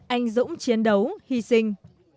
anh dũng chiến đấu hy sinh